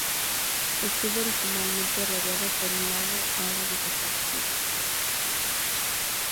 Estuvo originalmente rodeado por un lago, ahora desaparecido.